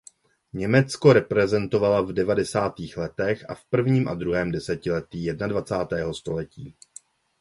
Německo reprezentovala v devadesátých letech a v prvním a druhém desetiletí jednadvacátého století.